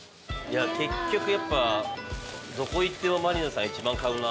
結局やっぱどこ行っても満里奈さん一番買うな。